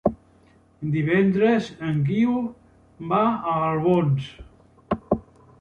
Divendres en Guiu va a Albons.